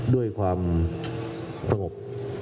ด้วยความสงบ